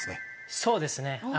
そうですね